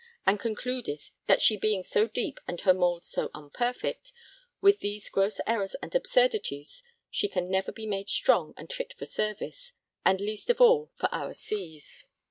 And concludeth that she being so deep and her moulds so unperfect, with these gross errors and absurdities she can never be made strong and fit for service, and least of all for our seas.